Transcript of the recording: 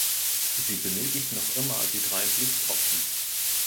Sie benötigt noch immer die drei Blutstropfen.